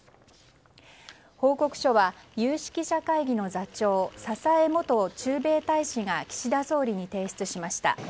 報告書は、有識者会議の座長佐々江元駐米大使が岸田総理に提出しました。